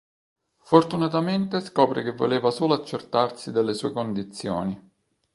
Fortunatamente scopre che voleva solo accertarsi delle sue condizioni.